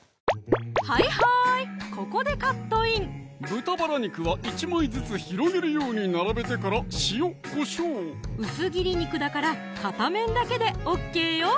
はいはいここでカットイン豚バラ肉は１枚ずつ広げるように並べてから塩・こしょう薄切り肉だから片面だけでＯＫよ